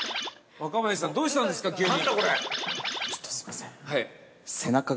◆若林さん、どうしたんですか、急に。